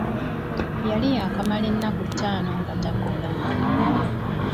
Yali yaakamala ennaku ttano nga takola.